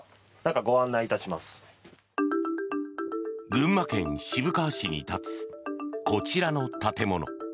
群馬県渋川市に立つこちらの建物。